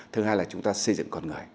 thứ hai là chúng ta xây dựng con người